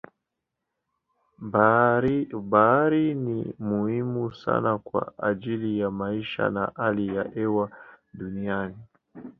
Bahari ni muhimu sana kwa ajili ya maisha na hali ya hewa duniani.